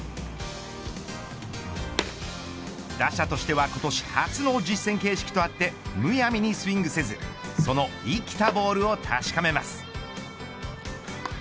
打者としては今年初の実戦形式とあってむやみにスイングせずその生きたボールを確かめます。